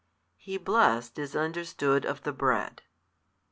[8 He blessed is understood of the bread.